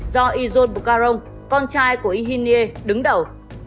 do ijon bukaron con trai của ihinye đứng đầu